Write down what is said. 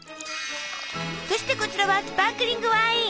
そしてこちらはスパークリングワイン！